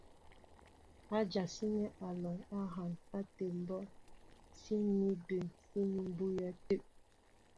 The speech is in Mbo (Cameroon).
Adyasíní alɔŋ á hááŋ átə bɔŋ síní bɛ̌n síní bʉʉyɛ́ tə̂.